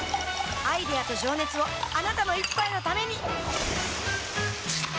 アイデアと情熱をあなたの一杯のためにプシュッ！